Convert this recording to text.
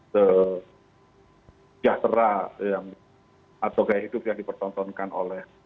sejahtera atau gaya hidup yang dipertontonkan oleh